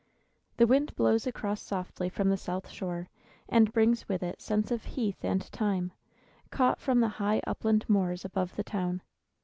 The wind blows across softly from the south shore, and brings with it scents of heath and thyme, caught from the high upland moors above the town.